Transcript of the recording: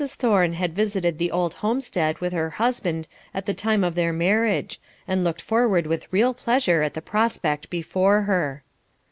Thorne had visited the old homestead with her husband at the time of their marriage, and looked forward with real pleasure at the prospect before her.